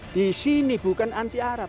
di sini bukan anti arab